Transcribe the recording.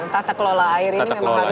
tata kelola air ini memang harus